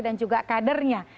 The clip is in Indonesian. dan juga kadernya